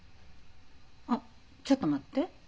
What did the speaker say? あっちょっと待って。